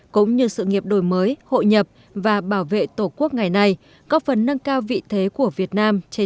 cũng như sự nghiệp đổi mới hội nhập và bảo vệ tổ quốc ngày nay có phần nâng cao vị thế của việt nam trên